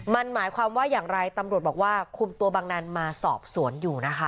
มันหมายความว่าอย่างไรตำรวจบอกว่าคุมตัวบังนั้นมาสอบสวนอยู่นะคะ